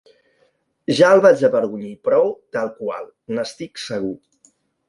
Ja el vaig avergonyir prou tal qual, estic segur.